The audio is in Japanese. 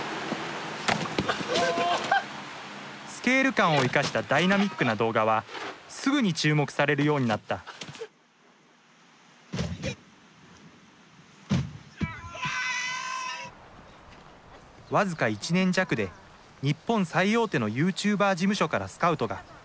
スケール感を生かしたダイナミックな動画はすぐに注目されるようになった僅か１年弱で日本最大手のユーチューバー事務所からスカウトが。